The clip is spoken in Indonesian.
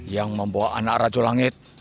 yang membawa anak racu langit